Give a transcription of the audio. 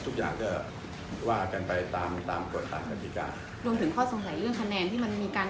ทุกอย่างก็ว่ากันไปตามตามกฎตามกฎิการวมถึงข้อสงสัยเรื่องคะแนนที่มันมีการ